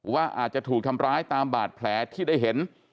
ว่าอาจจะถูกทำร้ายตามบาดแผลที่ได้เห็น